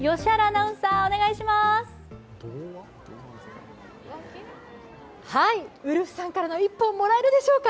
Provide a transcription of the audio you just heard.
ウルフさんからの一本、もらえるでしょうか。